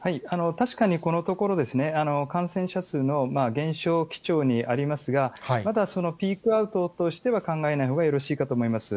確かにこのところ、感染者数の減少基調にありますが、まだピークアウトとしては考えないほうがよろしいかと思います。